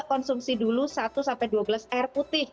konsumsi dulu satu sampai dua belas air putih